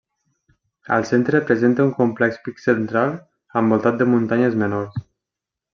Al centre presenta un complex pic central envoltat de muntanyes menors.